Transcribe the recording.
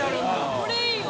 これいいわ。